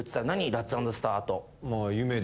ラッツ＆スターあと。